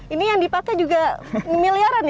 ini yang dipakai juga miliaran ya